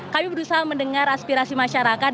kami berusaha mendengar aspirasi masyarakat